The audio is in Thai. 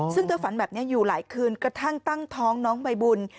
ซึ่งเธอฝันแบบนี้อยู่หลายคืนกระทั่งตั้งท้องน้องใบบุญ